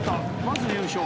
まず優勝。